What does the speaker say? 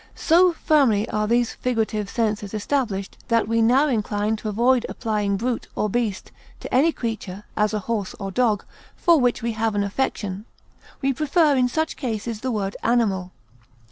So firmly are these figurative senses established that we now incline to avoid applying brute or beast to any creature, as a horse or dog, for which we have any affection; we prefer in such cases the word animal.